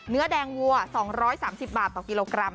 เนื้อแดงวัว๒๓๐บาทต่อกิโลกรัม